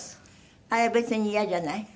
あれは別にイヤじゃない？